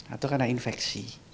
atau karena infeksi